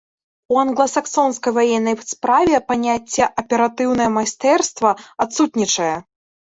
У англасаксонскай ваеннай справе паняцце аператыўнае майстэрства адсутнічае.